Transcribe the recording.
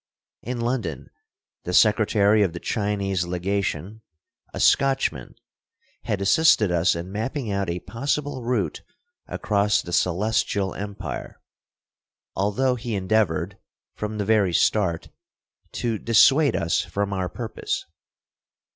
In London the secretary of the Chinese legation, a Scotchman, had assisted us in mapping out a possible route across the Celestial empire, although he endeavored, from the very start, to dissuade us from our purpose.